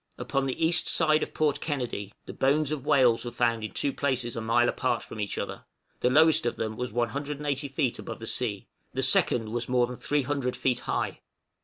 Upon the east side of Port Kennedy the bones of whales were found in two places a mile apart from each other; the lowest of them was 180 feet above the sea, the second was more than 300 feet high.